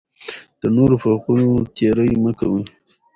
د نورو په حقونو تېری مه کوئ.